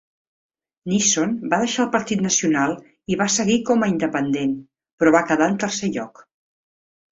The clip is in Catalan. Neeson va deixar el Partit Nacional i va seguir com a independent, però va quedar en tercer lloc.